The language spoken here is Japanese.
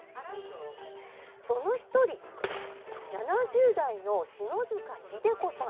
その一人７０代の篠塚秀子さん。